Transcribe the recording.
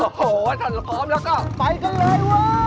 โอ้โฮชลอมแล้วก็ไปกันเลย